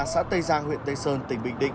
xã tây giang huyện tây sơn tỉnh bình định